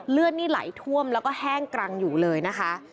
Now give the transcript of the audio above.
เลือดนี่ไหลท่วมแล้วก็แห้งกรังอยู่เลยนะคะ